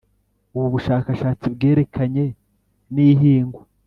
Ubu bushakashatsi bwerekanye n’ihingwa.